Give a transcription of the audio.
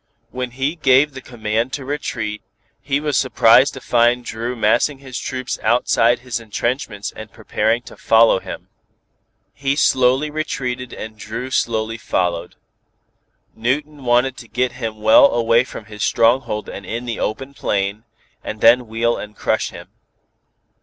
When he gave the command to retreat, he was surprised to find Dru massing his troops outside his entrenchments and preparing to follow him. He slowly retreated and Dru as slowly followed. Newton wanted to get him well away from his stronghold and in the open plain, and then wheel and crush him.